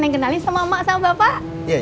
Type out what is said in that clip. neng kenalin sama mak sama bapak